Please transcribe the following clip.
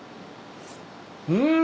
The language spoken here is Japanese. うん！